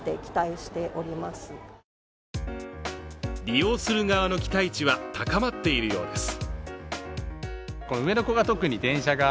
利用する側の期待値は高まっているようです。